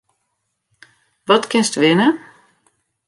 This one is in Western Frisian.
Wat kinst winne?